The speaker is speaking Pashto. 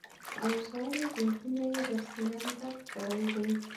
اوزاري بعدونه یې برسېرن درک کړي دي.